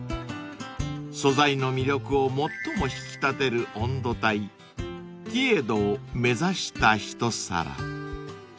［素材の魅力を最も引き立てる温度帯ティエドを目指した一皿］